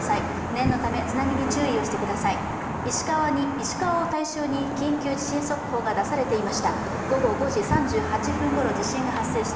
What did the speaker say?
石川を対象に緊急地震速報が出されていました。